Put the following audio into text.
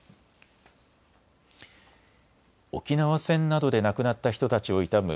沖縄戦などで亡くなった人たちを悼む